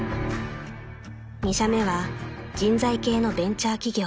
［２社目は人材系のベンチャー企業］